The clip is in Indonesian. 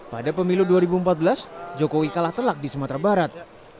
pada pemilu dua ribu empat belas jokowi kalah telak di sumatera barat